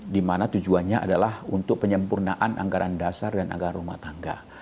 dimana tujuannya adalah untuk penyempurnaan anggaran dasar dan anggaran rumah tangga